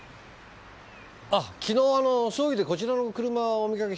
あ昨日あの葬儀でこちらの車をお見かけして。